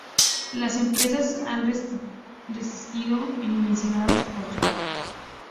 Las empresas han resistido, mencionado su costo.